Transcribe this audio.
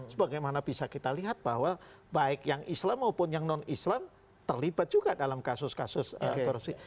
sebagaimana bisa kita lihat bahwa baik yang islam maupun yang non islam terlibat juga dalam kasus kasus korupsi